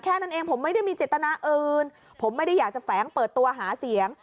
แค่นั้นเองผมไม่ได้มีเจตนาอื่นผมไม่ได้อยากจะแฝงเปิดตัวหาเสียง